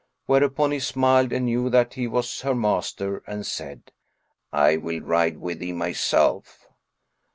Whereupon he smiled and knew that he was her master and said, "I will ride with thee myself."